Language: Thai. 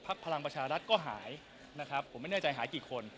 พลังประชารัฐก็หายนะครับผมไม่แน่ใจหายกี่คน